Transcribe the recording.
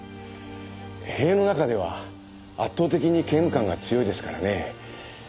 塀の中では圧倒的に刑務官が強いですからね。